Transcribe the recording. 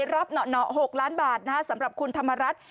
รับหน๋อหน๋อหกล้านบาทนะฮะสำหรับคุณธรรมรัฐ